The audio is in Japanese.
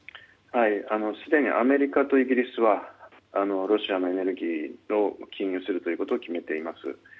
すでにアメリカとイギリスはロシアのエネルギーを禁輸することを決めています。